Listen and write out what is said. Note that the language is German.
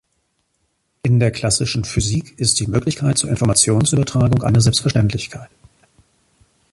In der klassischen Physik ist die Möglichkeit zur Informationsübertragung eine Selbstverständlichkeit.